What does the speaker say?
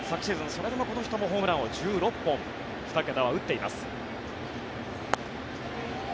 それでもこの人もホームランを１６本２桁は打っています。